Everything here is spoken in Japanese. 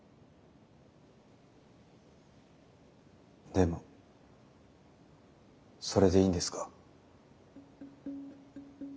でもそれでいいんですか？